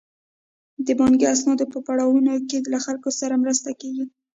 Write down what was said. د بانکي اسنادو په پړاوونو کې له خلکو سره مرسته کیږي.